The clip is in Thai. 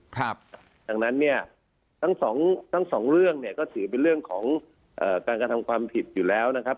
ดังนั้นเนี่ยทั้งสองทั้งสองเรื่องเนี่ยก็ถือเป็นเรื่องของการกระทำความผิดอยู่แล้วนะครับ